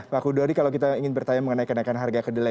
pak kudori kalau kita ingin bertanya mengenai kenaikan harga kedelai